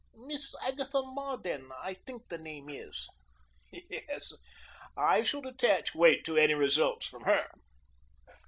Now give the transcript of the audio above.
Miss Agatha Marden, I think the name is." "Yes, I should attach weight to any results from her."